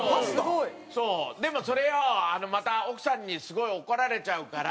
でもそれをまた奥さんにすごい怒られちゃうから。